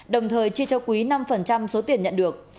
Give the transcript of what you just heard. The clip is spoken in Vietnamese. đồng thời chi cho quý năm số tiền nhận được